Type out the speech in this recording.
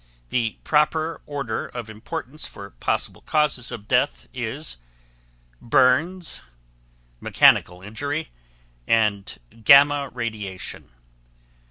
The proper order of importance for possible causes of death is: burns, mechanical injury, and gamma radiation.